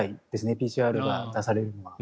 ＰＣＲが出されるのは。